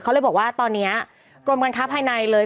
เขาเลยบอกว่าตอนนี้กรมการค้าภายในเลย